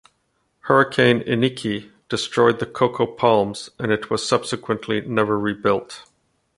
Hurricane Iniki destroyed the Coco Palms and it was subsequently never rebuilt.